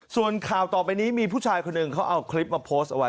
ส่วนข่าวต่อไปนี้มีผู้ชายคนหนึ่งเขาเอาคลิปมาโพสต์เอาไว้